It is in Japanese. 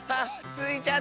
スイちゃん